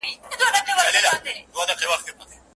ستا د هجران په تبه پروت یم مړ به سمه